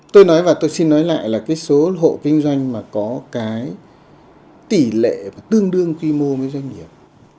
tôi nói và tôi xin nói lại là cái số hộ kinh doanh mà có cái tỷ lệ và tương đương quy mô với doanh nghiệp